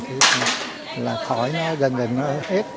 thế là khói nó dần dần hết